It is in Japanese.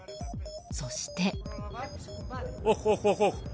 そして。